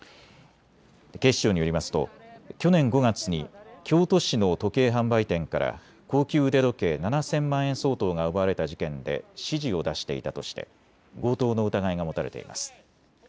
警視庁によりますと去年５月に京都市の時計販売店から高級腕時計７０００万円相当が奪われた事件で指示を出していたとして強盗の疑いが持たれています。